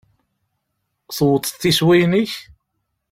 Tewwḍeḍ iswiyen-ik?